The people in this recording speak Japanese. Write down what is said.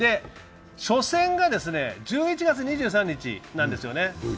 初戦が１１月２３日なんですよね。